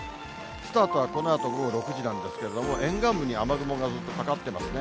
スタートはこのあと午後６時なんですけれども、沿岸部に雨雲がずっとかかってますね。